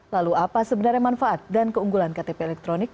lalu apa sebenarnya manfaat dan keunggulan ktp elektronik